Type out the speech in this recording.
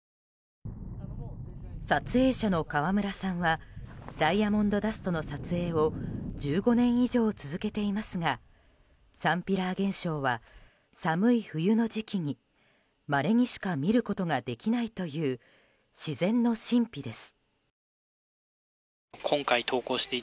撮影者の川村さんはダイヤモンドダストの撮影を１５年以上続けていますがサンピラー現象は寒い冬の時期に、まれにしか見ることができないという自然の神秘です。